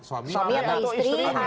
suami atau istri anak tua atau anak tua